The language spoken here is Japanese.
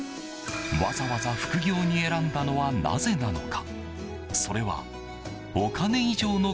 わざわざ副業に選んだのはなぜなのか。